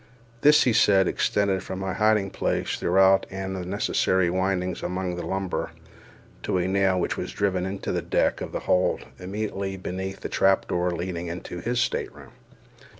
This, he said, extended from my hiding place throughout all the necessary windings among the lumber, to a nail which was driven into the deck of the hold, immediately beneath the trap door leading into his stateroom.